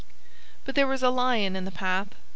But there was a lion in the path.